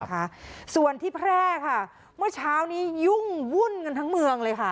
นะคะส่วนที่แพร่ค่ะเมื่อเช้านี้ยุ่งวุ่นกันทั้งเมืองเลยค่ะ